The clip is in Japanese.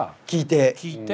聞いて？